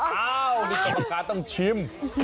อ้าวนี่กรรมการต้องชิม